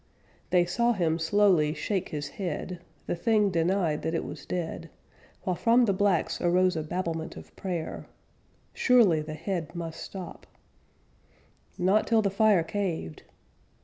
They saw him slowly shake his head, The thing denied that it was dead, While from the blacks arose a babblement of prayer. Surely the head must stop Not till the fire caved!